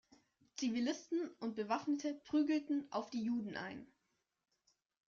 Zivilisten und Bewaffnete prügelten auf die Juden ein.